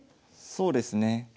そうですね。